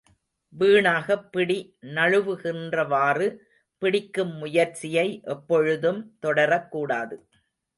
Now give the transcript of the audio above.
வீணாகப் பிடி நழுவுகின்றவாறு பிடிக்கும் முயற்சியை எப்பொழுதும் தொடரக்கூடாது.